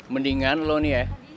mendingan lu nih ya